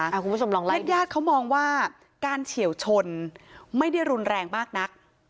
แยธยาติเขามองว่าการเฉี่ยวชนไม่ได้รุนแรงมากนัก